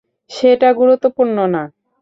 সেটা গুরুত্বপূর্ণ না।